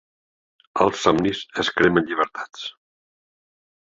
Als somnis es cremen llibertats.